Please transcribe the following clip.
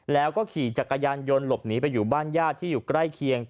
แล้วก็ขี่จักรยานยนต์หลบหนีไปอยู่บ้านญาติที่อยู่ใกล้เคียง